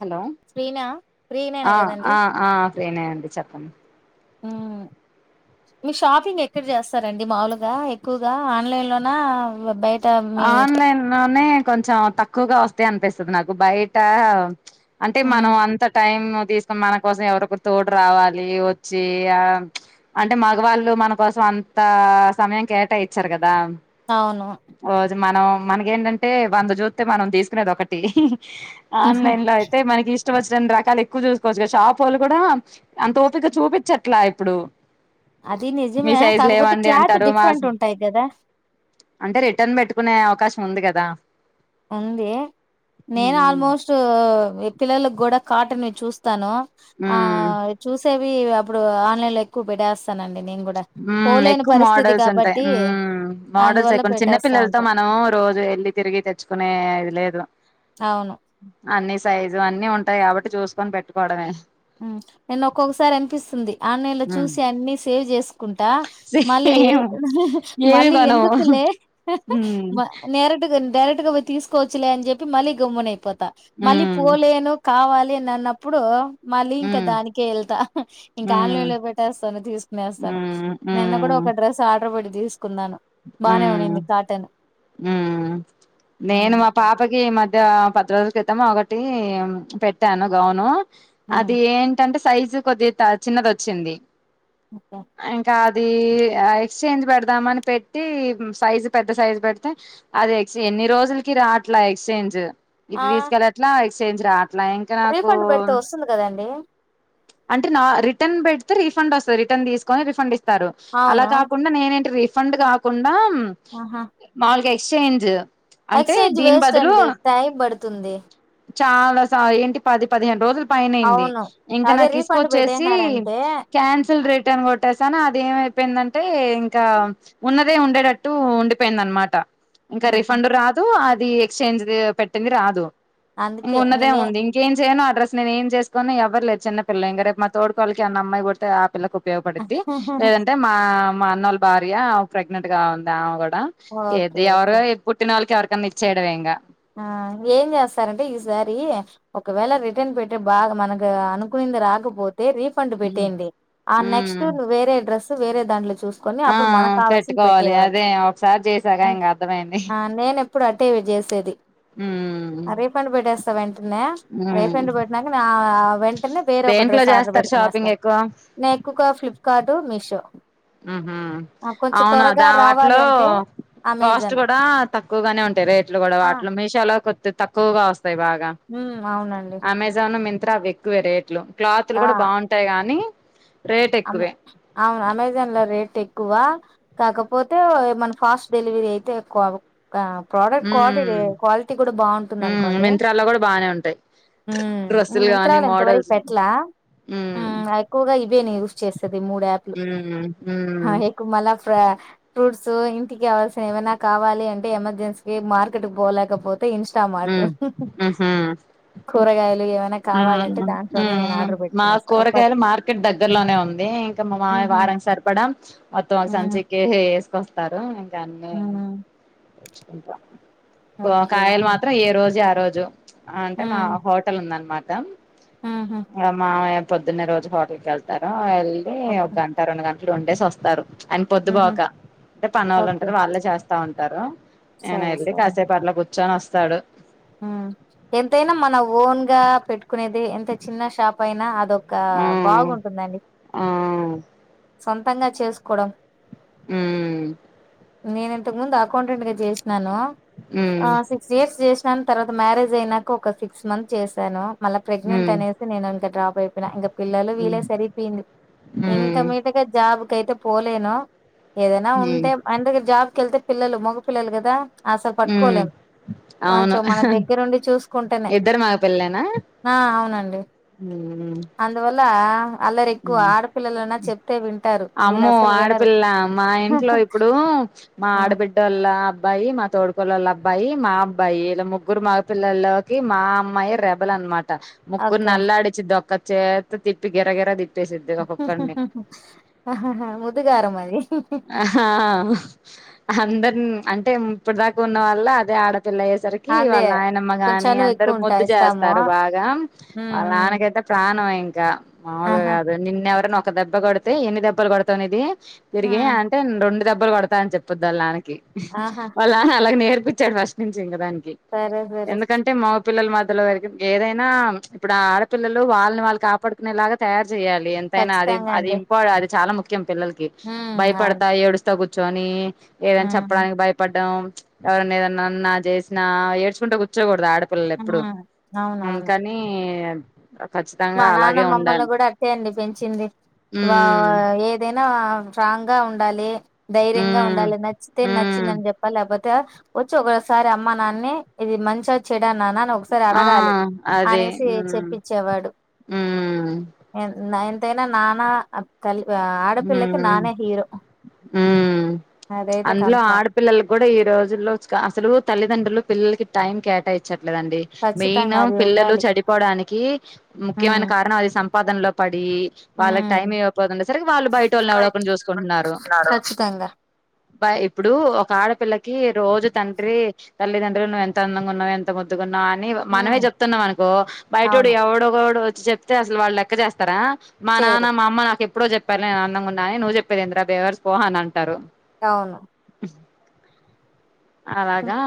Hello ఫ్రీనా ఫ్రీనేనే ఆ కదండి ఆ ఆ ఫ్రీ నే అండి చెప్పండి మ్మ్ మీరు షాపింగ్ ఎక్కడ చేస్తారండి మాములుగా ఎక్కువగా ఆన్లైన్లోన బ బయై ఆన్లైన్ లోనే కొంచెం తక్కువగా వస్తే అనిపిస్తుంది నాకు బయట అంటే మ్మ్ మనం అంత టైం తీస్ మన కోసం ఎవరోకరు తోడు రావాలి వచ్చి ఆ ప్చ్ అంటే మగవాళ్ళు మన కోసం అంత సమయం కేటాయిచ్చారు కదా అవును రోజు మనం మనకేంటంటే వంద చూస్తే మనం తీసుకునేది ఒకటి ఆన్లైన్ లో అయితే మనకి ఇస్ట్ ఇష్టవచ్నన్ రకాలు ఎక్కువ చూసుకోవచ్చు కదా షాపులు కూడా అంత ఓపిక చూపించట్లా ఇప్పుడు అది మీ నిజమే సైజు కాకపోతే లేవండి క్లాత్ అంటారు మా డిఫరెంట్ ఉంటాయి కదా అంటే రిటర్న్ పెట్టుకునే అవకాశం ఉంది కదా ఉంది నేను ఉమ్ ఆల్మోస్ట్ పిల్లలకి కూడా కాటన్వీ చూస్తాను ఆ ఉమ్ చూస్ అంటే అవి అప్పుడు ఆన్లైన్ లో ఎక్కువ పెట్టేస్తానండి నేను కూడా మ్మ్ పోలేని ఎక్కువ పరిస్థితి మోడల్స్ ఉంటాయి కాబట్టి మ్ మోడల్స్ అందువల్ల ఎక్కువ చిన్న పెట్టేస్తా పిల్లలతో ఉంటా మనము రోజు వెళ్లి తిరిగి తెచ్ కునేదిలేదు అవును అన్ని సైజు అన్ని ఉంటాయి కాబట్టి చూసుకొని పెట్టుకోవడమే ఉం నేను ఒక్కొక్కసారి అనిపిస్తుంది ఆన్లైన్ లో ఉమ్ చూసి అన్ని సేవ్ చేసుకుంటా ఆ మళ్ళి సేమ్ హ హ ఏమి మళ్ళి కొనవు ఎందుకులే హ హ ఉమ్ మ నేరేడు డైరెక్ట్గాయి తీసుకోవచ్చలే అని చెప్పి మళ్ళి గుమ్నయిపోత మళ్ళి ఉమ్ పోలేను కావాలిని అని అన్నప్పుడు మళ్ళీ ఇంకా ఉమ్ దానికే వెళ్తా ఇంకా ఆన్లైన్ ఉమ్ లో పెట్టేస్తాను తీసుకునేస్తాను ఉమ్ నిన్న కూడా ఒక డ్రెస్ ఆర్డర్ పడి దీస్ ఊమ్ ఊమ్ నేను మా హ్మ్. పాపకి మధ్య ప రోజుల క్రితం ఒకటి పెట్టాను గౌను అది హ్మ్. ఏంటంటె సైజు కొద్ది త చిన్నది వచ్చింది ఓకే. ఆ ఇంకా అది ఎక్స్చేంజ్ పెడదామని పె పెట్టి సైజు పెద్ద సైజు పెడితే అది ఎక్స్ ఎన్ని రోజులకి రాట్లా ఎక్స్చేంజ్ ఇది ఆ! తీసుకెళ అట్లా చేంజ్ రా రీఫండ్ పెడితే వస్తుంది కదండి అంటే నా రిటర్న్ పెడితే రిఫండ్ వస్తుంది రిటర్న్ తీసుకొని రిఫండ్ ఇ స్తారు అలా అవును. కాకుండా నేన్ ఎంట్రీ ఫండ్ కాకుం ఆమ్ ఆహా! మాల్గయ్ సెంజు ఎక్స్చేంజ్ వేస్ట్ అండి టై పడుతుంది చాలా స ఏంటి పది పదిహేను రోజులు పైనైంది అవును ఇంకా అదే నాకు రీఫండ్ తీసుకొచ్చేసి పెట్టేసినారంటే క్యాన్సిల్ రిటర్న్ కొట్టేసానా అదే ఏ ఇంకా ఉన్నత దే ఉండేటట్టు ఉండిపోయిందనమాట ఇంకా ఆహా రిఫండ్ రాదు అ ది ఎక్స్చేంజ్ ది పెట్టింది రాదు అందుకే ఇంగున్నదే నేనే ఉంది ఇంకేం చేయను డ్రస్ నేను ఏం చేసుకోని ఎవర్ లేర్ చిన్న పిల్ల ఇంగ రేపు మా తోడ్కోడాలికి అన్న అమ్మాయి పుడితే అప్ పిల్లకు ఉపయోగపడిద్ది లేదంటే మా మా అన్నోళ్ల భార్య ప్రెగ్నెంట్ గా ఉంది ఆమె కూడా ఓకే ఎది ఓకే ఎవరో ఇ పుట్టి నోల్లకి ఎవరికి మీర్చేయడమే ఇంగ ఆ ఏం చేస్తారంటే ఈసారి ఒకవేళ రిటర్న్ పెట్టి బాగ మనకి అనుకునింది రాకపోతే రీఫండ్ పెట్టేయండి ఆ నెక్స్ట్ ఉమ్ నువేరే డ్రెస్ వేరే దాంట్లో చూసుకొని ఆ అప్పుడు మనకు కావాల్సిిన పెట్టుకోవాలి పెట్టేయవాలి అదే ఒకసారి చేసాక ఇంక అర్థమైంది ఆ నేనెప్పుడు అట్టే చేసేది ఉమ్ ఆ రీఫండ్ పెట్టేస్త వెంట్ స [inaudible] ఉమ్ రీఫండ్ పెట్టినాక వెంటనే వేరే ఒక దేంట్లో డ్రెస్ ఆర్డర్ చేస్తారు పెట్టుకునేస్త షాపింగ్ ఎక్కువ నేను ఎక్కువగా ఫ్లిప్కార్టు మీషో ఉహు ఆ, కొంచెం అవును త్వరగా దా రావాలి వాటిలో అంటే కాస్ట్ అమెజాన్ కూడా తక్కువగానే ఉంటాయి రేట్లు కూడా ఆ వాటిలో మీషో లో కొద్ది తక్కువగాస్త బాగా ఉమ్ అవునండి అమెజాను మింత అవి ఎక్కువే రేట్లు క్లాత్లు ఆ కూడా బాగుంటాయి కానీ అమ్ అవును అమెజాన్లో రేట్ ఎక్కువ కాకపోతే మన ఫాస్ట్ డెలివరీ అయితే ఎక్కువ అ ప్రోడక్ట్ క్వాటీ ఉమ్ క్వాలిటీ కూడా బాగుంటుంది ఉమ్ అనుకోండి మింత్రాలో కూడా బానే ఉంటాయి డ్రెస్సులు మింత్ర గానీ లో ఎంత వారికి మోడల్స్ పెట్ల ఉమ్ ఎక్కువగా ఇవే నేను యూస్ మూడు యాప్ లు ఉమ్ ఉమ్ [unintelligible] ఫ్రూట్స్ ఇంటికావల్సిన ఏమైనా కావాలి అంటే ఎమర్జెన్సీ కి మార్కెట్ పోలేకపోతు ఉమ్ ఉహు కూరగాయలు ఏమైనా కావాలంటే హుమ్ దాంట్లోనే నేను ఉమ్ ఆర్డర్ మా పెట్టుకునేస్తా ఒక పది కూరగాయలు మార్కెట్ దగ్గరలోనే ఉంది అదే ఎంక మా మామయ్య ఉహు వారంకి సరిపడ మొత్తం ఒక ఉమ్ సంచకి వేస్కొస్తారు అన్ని ఉమ్ ంట ఓకే ఓకే ఏ రోజు ఆ రోజు అంటే మా ఉమ్ హోటల్ ఉందన్నమాట దం ఉహు అమ [unintelligible] పొద్దున్న రోజు హోటల్ కి వెళ్తారూ వెళ్ళి ఒక ఓకే గంట రెండు గంట అక్కడ ఉండేసి వస్తారు అని పొద్దు ఉహు బోక అంటే పన వాళ్ళు ఓకే ఉంటారు వాళ్ళే చేస్తారు ంటారు నేను సరే వెళ్ళి సరే కాసేపు అట్లా కూర్ చోనీ వస్త తాడు ఎంతైనా మన ఓన్ గా పెట్టు కునేది ఎంత చిన్న షాప్ పోయినా అదొ ఒక ఉమ్ బాగుంటుందండి ఆ సొంతంగా చేసుకోవడం ఉమ్ నేను ఇంతకు ముందు అకౌంటెంట్ గా చేసినాను ఉమ్ ఆ సిక్స్ డేస్ చేసినాను తర్వాత మ్యారేజ్ అయినాక ఒక సిక్స్ మంత్ చేశాను మళ్ళా ప్రెగ్నెంట్ ఉమ్ అనేసి నేను ఇంకా డ్రాప్ అయిపోయినా ఇంకా పిల్లలు వీలే హ్మ్ సరిపోయింది ఇంక హ్మ్ మీట్గా జాబ్కి అయితే పోలెను ఏదైనా హ్మ్ ఉంటే అండ్ దగ్గర జాబ్కి వెళ్తే పిల్లలు మగ పపిల్లలు కదా అస హ్మ్ పట్కోలేం అవును కొంచం మన దగ్గరుండి చూసుకుంటేనే ఇద్దరు మగ పిల్లలేనా ఆ అవునండి అందువల్ల లా వింటారు వీళ్ళు అమ్మ అసలు వినరు ఆడపిల్ల మా ఇంట్లో ఇప్పుడు మా ఆ! ఆడబిడ్డ వాళ్ళ అబ్బాయి మా తోడుకోళ్ వాళ్ళ అబ్బాయి మా అబ్బాయి ఇలా ముగ్గురు మాగ పిల్లల్లోకి మా అమ్మాయి రెబల్ అనమా ట ముగురుని ఓకే అలాడి ఇచిది దొక్క చేత తిట్టి గిర గిరా తిట్ సిద్దుగా పక్కన్నీ ముద్దుగారం అది ఆ హా హా అందరు అంటే ఇప్పుటి దాకా ఉన్న వాళ్ళ అదే ఆడ పెళ్లఅయ్యేసరికి అదే వాళ్ళ నాయనమ్మ కొంచెం గాని చనువు అందరూ ఎక్కువ ఉంటా ముద్దు ఇస్తాము చేస్తారు బాగా హ్మ్. వాళ్ళ హ్మ్. నాన్నకైతే ప్రాణం అయిం ఇంకా మామూలుగ ఆహా కాదు నిన్నెవరైన ఒక దెబ్బ గొడితే ఎన్ని దెబ్బలు కొడతావు నిది తిరిగే హ్మ్. అంటే రెండు దెబ్ దెబ్బలు బడతాయని చెప్పుద్ది వాళ్ళ నాన్నకి కి ఆహా వాళ్ళ అలాగ నేర్ప్ పిచ్చాడు ఫస్ట్ నుంచి ఇంక దాని కి సరే సరే ఎందుకంటే మా పిల్లలు మధ్యలో వ ఏదైనా ఇప్పుడు ఆడపిల్లలు వాళ్లు వాళ్ళు కాపాడుకునేలాగా తయారు చేయాలి ఎంతైనా అది ఖచ్చితంగా అది అండి ఇంపా అది చాలా ముఖ్య పిల్లలకి హ్మ్. అవును భయపడతా ఏడుస్త కుచ్ ర్చొని ఏదైనా హ్మ్. చెప్పడానికి భయపడ్డం ఎవరైనా ఏదన్నా అన్నా జేసిన ఏడ్చుకుంటా గుర్చో గూడదు ఆడ ఆ పిల్లళ్లెప్పుడు అవునవును అందుకని ఖచ్చితంగా అలాగే ఉండాలి తే అండి పెంచింది వా ఉమ్ ఏదై న్నావా స్ట్రాంగ్ గా ఉండాలి ధైర్యంగా ఉమ్ ఉండాలి నచ్చితే ఉమ్ నచ్చిందని చెప్పాలి లేపోత్ తే వచ్చి ఒకసారి అమ్మ నాన్న ని ఇది మంచా చెడా నాన్న నువ్ ఒకసారి ఆ అడగాలి అదే అనేసి ఉమ్ చెప్పిచ్చేవాడు ఉమ్ ఎందు నా ఎంతైనా నాన్న అ తలి ఊ ఊ అదైతే అందులో కన్ఫామ్ ఆడపిల్లలు కూడా ఈ రోజుల్లో అసలు తల్లిదండ్రులు పిల్లలకి టైం కేటాయిచ్చ ట్లేదండి మెయిను ఖచ్చితంగా అది పిల్లలు ఉండాలి చెడిపోడానికి ముఖ్యమైన ఉమ్ కారణం అది సంపాదన లో పడి వాళ్ళకి టైం ఉమ్ ఇవ్వపోతుండే [inaudible] వాళ్ళు బయటోళ్ళును ఎవడో ఒకడిని చూసుకుంటున్నారు ఖచ్చితంగా బ ఇప్పుడు ఒక ఆడపిల్ల కి రోజూ తండ్రి తల్లి తండ్రులు నువ్వు ఎంత అందంగా ఉన్నావు ఎంత ముద్దుగున్నావు ని మనమే ఉమ్ చెప్తున్నాం అనుకో బయటోడు అవును ఎవడో ఒకోడు చెప్తే అసలు వాళ్ళు లెక్క చేస్తారా మా చేయరు నాన్న మా అమ్మ నాకె ప్రోజె ప్పనే అందంగున్నా అని నువ్ చెప్పేది ఏందిరా బేవర్స్ పో అని అంటారు అవును అలాగా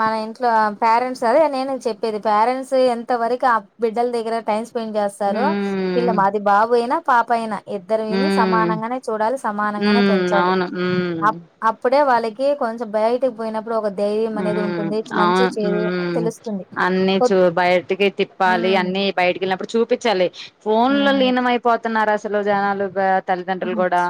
మన ఇంట్లో పేరెంట్స్ అదే నేనూ చెప్పేది పేరెంట్స్ ఎంతవరకు ఆ బిడ్డల దగ్గర టైమ్ స్పెండ్ చేస్తారు పిల్ల ఉమ్ మాది బాబు అయినా పాపైనా ఇద్దరు ఇని ఉమ్ సమానంగానే చూడాలి సమానంగానే ఉమ్ పెంచాలి అవును ఉమ్ అప్ అప్పుడే వాళ్ళ కే కొంచెం బయటికి పోయినా ప్పుడు ఒక దైర్యం ఊ అనేది ఉంటుంది మంచి అవును ఊ చేదు ఊ తెలుస్తుంది అన్నీ చూ పొద్ బయటికి తిప్పాలి అన్నీ ఉమ్ బయటికి వెళ్ళినప్పుడు చూ పిచ్చలే ఫోన్ లో లీనమైపోతున్నారు అస్ తులు జనాలు గా తల్లిదండ్రులు ఉమ్ కూడా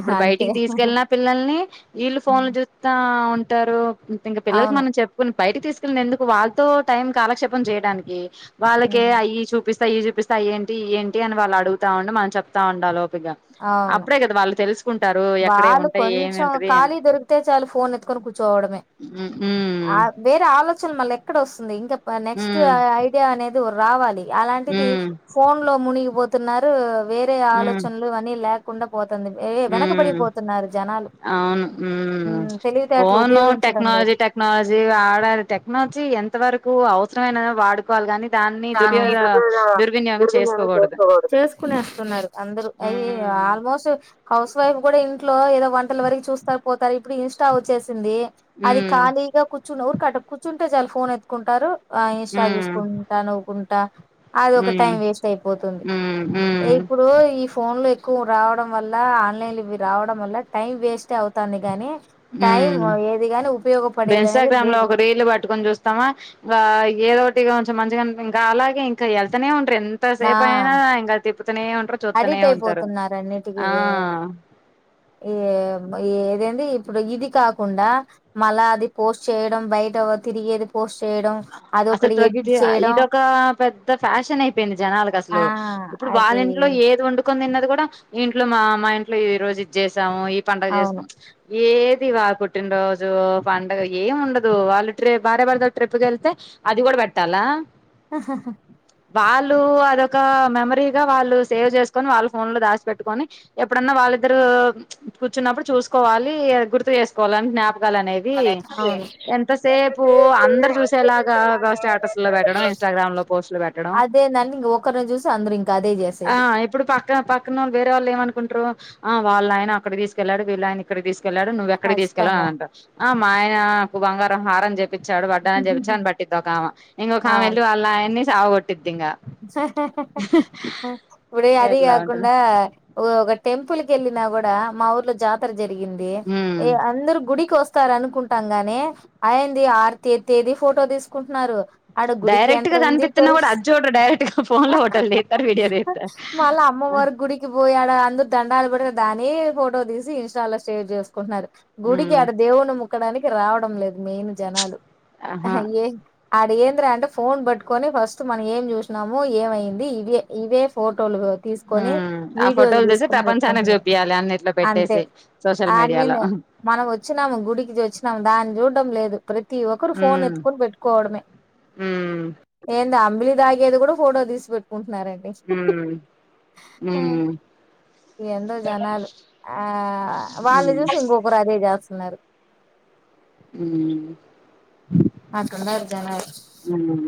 ఇప్పుడు అంతే బయటికి తీసుకెళ్లినా పిల్లల్ని వీళ్ళు ఫోన్లు జూత్తా ఉన్ టరు ఇంగ పిల్లలకు అవును మనం చెప్పుకున్ బయటికి తీసుకెళ్ళింది ఎందుకు వాళ్ళతో టైం కాలక్షేపం చెయ్యడానికి వాళ్ళకే హ్మ్ అయ్యి చూపిస్ ఇవి చూపిస్తా అయి ఏంటి ఇయి ఏంటి అని వాళ్ళు అడుగుతా ఉంటే మనం చెప్తా ఉండాలె. గా అవును అప్పుడే గదా వాళ్ళు తెల్స్ వాళ్ళు కొంచం అని. ఖాళీ దొరికితే చాలు ఫోన్ ఎత్తుకొని కూర్చోవడమే ఉమ్ ఆ ఉమ్ వేరే ఆలోచన మల్లెక్కడ వస్ ఇంకా నెక్స్ట్ ఉమ్ ఐడియా అనేద్ రావాలి. అలాంటిది ఉమ్ ఫోన్లో మునిగిపో తున్నారు. వేరే ఉమ్ ఆలోచనలు అన్నీ లేక్ కుండ పో తంది. ఏ వెనక్ మ్ అవును మ్ ఉమ్, తెలివితేటలు ఫోనూ ఉపయోగించడం లేదు టెక్నాలజీ టెక్నాలజీ వాడాలి టెక్నాలజీ ఎంత వరకు అవు.. కష్టమైన వాడుకోవాల్ గనీ దాన్ని దుర్యోధ దుర్వినియోగం చేసుకోకూడదు చేసుకోకూడదు. ఉమ్ హౌస్ వైఫ్ గుడా ఇంట్లో ఏదో వంటల వరకి చూస్తా పోతాయి. ఇన్స్టా వచ్చేసి సింది. అది ఉమ్ ఖాళీగా [inaudible] అంటే చాలు ఫోన్ ఎత్తుకుంటాడు. ఆ ఇన్స్టా ఉమ్ చూసుకుం కుంటా అది ఒక ఉమ్ టైం వేస్ట్ అయిపోతుంది. ఉమ్ ఉమ్ ఇప్పుడు ఈ ఫోన్ కు రావడం వల్ల ఆన్లైన్లు ఇవి రావడం వల్ల టైం వేస్టే అవుతాంది గనీ ఇప్పుడు అనేది ఇన్స్టాగ్రామ్ లో లేదు ఒక రీల్ పట్టుకొని చూస్తామా ఆ ఏదోట్ కొంచం మంచిగా అని ఇంకా అలాగే ఇంకా ఎళ్తనే ఉం ఎంత ఆ సేపైనా గానీ [inaudible] అడిట్ అయిపోతున్నరనన్నీటికిీ ఇవే ఆ ఏయే ఇదేంది ఇప్పుడు ఇది కాకుండా మళ్ళ అది పోస్ట్ చేయడం బయట తిరిగేది పోస్ట్ చేయడం అసల్ అదొకటి ఎడిట్ ప్రతి చేయడం ఇదొక పెద్ద ఫ్యాషన్ అయిపోయింది ఆ జనాలకసలు ఇప్పుడు వాళ్ళ అది ఇంట్లో ఏది వండు కుతిన్నది గూడా ఇంట్లో మా మా ఇంట్లో ఈ రోజు ఇది చేస్ స్తాము ఈ పండగ చేస్ అవును ఏది వా పుట్టినరోజు పండగ ఏమి ఉండదు వాళ్ళు భార్య భర్త ట్రిప్కి వెళ్తే అది కూడా పెట్టాలా అహహహ వాళ్ళు అదొక మెమరీగా వాళ్ళు సేవ్ చేసుకొని వాళ్ళ ఫోన్ లో దాసి పెట్టుకొని ఎప్పుడన్నా వాళ్ళిద్దరు కూర్చున్నప్పుడు చూసుకోవాలి గుర్తు చేసుకోవాలి జ్ఞాప అనేవి అవును ఎంతసేపు అందరు ఎలాగా స్టేటస్ లో పెట్టడం ఇన్స్టాగ్రామ్ లో పోస్ట్లు పెట్టడం అదేనండి ఇంక ఒకరిని చూసి అందరు ఇంకా అదే ఆ చేసేది ఇప్పుడు పక్క పక్కన ఉన్న వేరే వాళ్ళు ఏమనుకుంట కుంటరు ఆ వాళ్ళ ఆయన అక్కడ తీసుకెళ్ళాడు వీళ్ళా ఆయన ఇక్కడ తీసుకె వెళ్ళడు నువ్ ఎక్కడికి తీసుకెళ్లావు ఖచ్చితంగా అని అంటారు ఆ మా ఆయన నాకు బంగారం హారం చేపించాడు అని చెపించావు అని బట్టింది ఒక ఆమె ఇంకొక ఆమె ఎల్లి వాళ్ళ ఆయన్ని చవట్ ఆహ్ హ్ ఇప్పుడది ఇట్లా ఉంటది కాకుండా ఒ ఒక టెంపుల్ కెళ్ళినా కూడా మా ఊర్లో జాతర జరి గింది ఉమ్ ఏ అందరు గుడికి వస్ స్తార అనుకుంటాం గాని అయింది హారతి ఎత్తేది ఫోటో తీసుకుంటున్నారు ఆడ గుడికి డైరెక్ట్ గా ఎంటర్ అయింది కనిపిస్తున్నా కూడా కొరిస్ అడ్జు డైరెక్ట్ గా ఫోన్ లో ఫోటోల్ తిస్తారు వీడియో తిస్తారు మళ్ళా అమ్మవారి గుడికి పోయాడ అందరు దండాలు పెడితే దాని ఫోటో తీసి ఇంస్టాలో షేర్ చేసుకుంటున్నారు గుడికి ఉమ్ అడ దేవును ము మొక్కడానికి రావడం లేదు మెయిన్ జనాలు ఆహా ఆహ్ ఏ అడ ఏన్ అంటే ఫోన్ బట్టుకొని ఫస్ట్ మన్ ఏం చూసినాము ఏమైంది ఇవే ఇవే ఫోటోలు తీసుకొని ఉమ్ ఆ వీడియోలు ఫోటోలు తీసి తీసుకొని ప్రపంచానికి పెట్టుకుంటున్నారు చూపియాలి అన్నిట్లో అంతే పెట్టేసి సోషల్ ఆని మీడియాలో మీనే ఉమ్ మనం వచ్చినాము గుడికి వచ్చినాము దాన్ని చూడ్డం లేదు ప్రతి ఒక్కరు ఫోన్ ఉమ్ ఎత్తుకుని పెట్టుకోవడమే ఉమ్ ఏందో అంబిలి తాగేది కూడా ఫోటో తీసి పెట్టుకుంట్ నరండి ఉమ్ ఆహ్ ఏందో జనాలు ఆహ్ వాళ్ని ఉమ్ చూసి ఇంకొకరు అదే చేస్తున్నారు హు అట్టుండారు జనాలు ఉమ్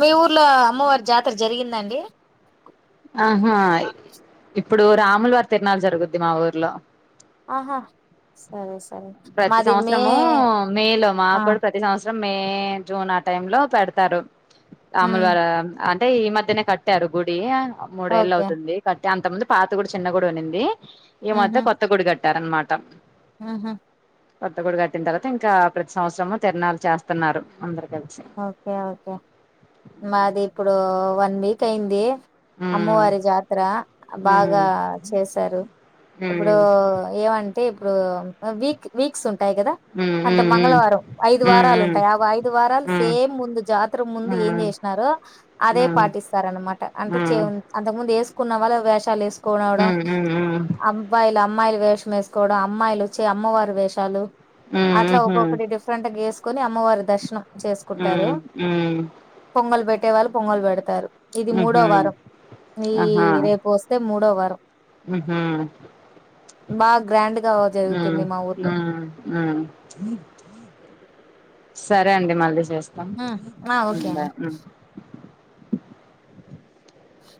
మీ ఊర్లో అమ్మవారి జాతర జరిగిందాండి ఆహా ఇప్ ఇప్పుడు రాముల వారి తిరనాలు జరుగుద్ది మా ఊర్లో ఆహా సరే సరే ప్రతి మాది మే సంవత్సరము మే లో మాకు ఆహ్ కూడా ప్రతి సంవత్సరం మే జూన్ ఆ టైం లో పెడతారు రాముల్ హ్మ్ వారు అదే ఈ మధ్యనే కట్టారు గుడి మూడేళ్ళ్ ఓకే అవుతుంది కట్ అ అంత ముందు పాత గుడి చిన్న గుడి ఉన్నింది ఈ మధ్య ఉహు కొత్త గుడి గడ్ టరన్మాట ఉహు కొత్త గుడి కట్టిన తర్వాత ఇంకా ప్రతి సంవత్సరము తిరనాలు చేస్తున్నారు అందరు కలిసి ఓకె ఓకె మాది ఇప్పుడు వన్ వీక్ అయ్యింది ఉమ్ అమ్మవారి జాతర బాగా ఉమ్ చేసారు ఇప్పుడు ఉమ్ ఏమం అంటే ఇప్పుడు వీక్ వీక్స్ ఉం ఉంటాయి కదా ఉమ్ అంటే మంగళవారం ఐదు ఉమ్ ఉమ్ వారాలు ఉంటాయి ఆ ఐదు వారాలు ఉమ్ సేమ్ ముందు జాతర ముందు ఏం ఉమ్ చేసినారో ఉమ్ ఉమ్ అదే ఉమ్ పాటిస్తార అనమాట అంటే అంతకు ముందు వేసుకు కొన్న వాళ్ళ వేషాలు వే కోన అవుడ ఉమ్ ఉమ్ ఉమ్ ఉమ్ అమ్బాయి అమ్ అమ్మాయిలు వేషం వేసుకోవడం అమ్మాయిలు వచ్చి అమ్మవారి వేషాలు అట్లా ఉమ్ ఒక్కొక్కటి డిఫరెంట్ గేస్ అమ్మవారి దర్శనం చేసుకు ఉ ఉమ్మ్ పొంగలు పెే వాళ్ళుొంగలు పెడతారు ఇది మూడో ఉహు వారం ఈ రేపు వస్తే మూడో వారంారం హుమ్మ్ బాగా గ్రాండ్ గా హుమ్మ్ జరుగుతుంది మా ఊర్లో మ్మ్ మ్మ్ సరే అండి మళ్ళీ చే చేస్తా ఆ ఓకే అండి బాయ్